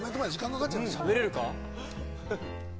・しゃべれるか？